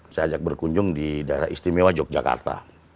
saya ajak berkunjung di daerah istimewa yogyakarta